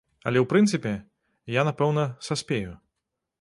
Але ў прынцыпе, я, напэўна, саспею.